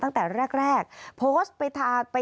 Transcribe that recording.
ตั้งแต่แรกโพสต์ไป